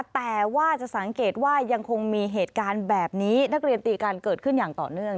แต่ว่าจะสังเกตว่ายังคงมีเหตุการณ์แบบนี้นักเรียนตีกันเกิดขึ้นอย่างต่อเนื่อง